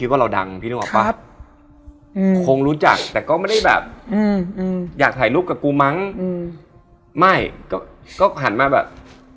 เรารู้สึกถึงแบบ